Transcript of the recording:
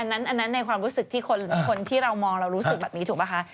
อันนั้นในความรู้สึกที่คนหรือคนที่เรามองเรารู้สึกแบบนี้ถูกป่ะคะ